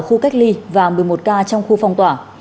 một mươi một ca ở khu cách ly và một mươi một ca trong khu phong tỏa